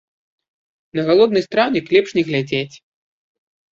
На галодны страўнік лепш не глядзець.